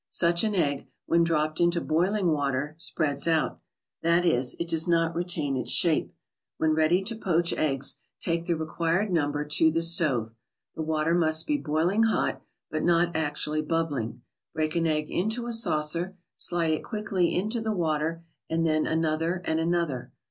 Such an egg, when dropped into boiling water, spreads out; that is, it does not retain its shape. When ready to poach eggs, take the required number to the stove. The water must be boiling hot, but not actually bubbling. Break an egg into a saucer, slide it quickly into the water, and then another and another.